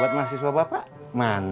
buat mahasiswa bapak mana